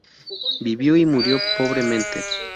Vivió y murió pobremente.